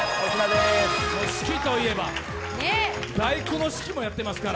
指揮といえば第九の指揮もやってましたから。